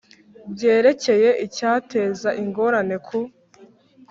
byerekeye icyateza ingorane ku